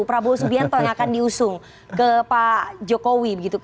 prabowo subianto yang akan diusung ke pak jokowi